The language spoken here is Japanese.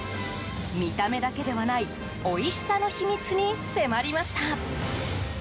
見た目だけではないおいしさの秘密に迫りました。